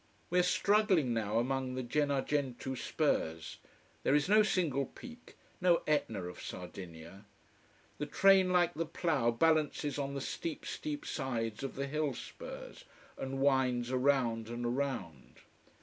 We are struggling now among the Gennargentu spurs. There is no single peak no Etna of Sardinia. The train, like the plough, balances on the steep, steep sides of the hill spurs, and winds around and around.